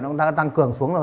nó đã tăng cường xuống đây